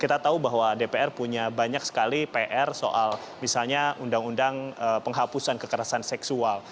kita tahu bahwa dpr punya banyak sekali pr soal misalnya undang undang penghapusan kekerasan seksual